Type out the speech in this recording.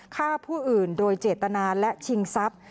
ฆ่าผู้อื่นโดยเจตนาและชิงทรัพย์